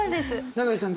永井さん